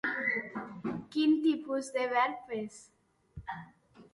Quin tipus de verb és?